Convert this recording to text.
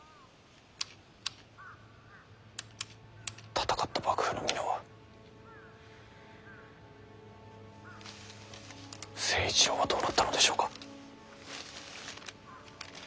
戦った幕府の皆は成一郎はどうなったのでしょうか。